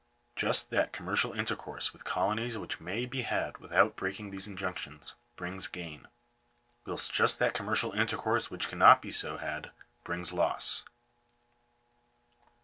Just that commercial intercourse with colonies which may be had without breaking these injunctions, brings gain ; whilst just that commercial intercourse which cannot be so had, brings loss.